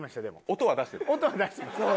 音は出してます。